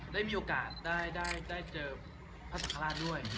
ได้มีโอกาสได้เจอพระสังฆราชด้วย